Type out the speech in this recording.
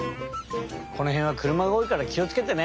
このへんはくるまがおおいからきをつけてね。